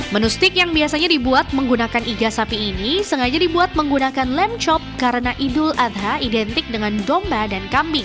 menu steak yang biasanya dibuat menggunakan iga sapi ini sengaja dibuat menggunakan lem chop karena idul adha identik dengan domba dan kambing